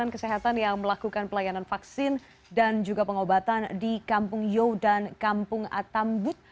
kesehatan yang melakukan pelayanan vaksin dan juga pengobatan di kampung you dan kampung atambut